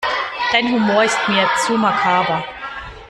Dein Humor ist mir zu makaber.